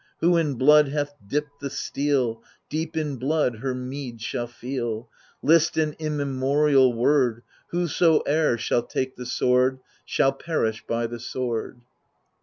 Who in blood hath dipped the steel, Deep in blood her meed shall feel I List an immemorial word — Whoso^er shall take the sword Shall perish by the sword.